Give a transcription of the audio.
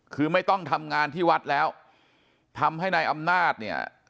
คือไม่ต้องทำงานที่วัดแล้วทำให้นายอำนาจเนี่ย